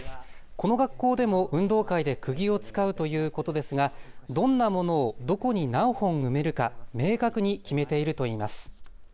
この学校でも運動会でくぎを使うということですが、どんなものをどこに何本埋めるか明確に決めているといいます。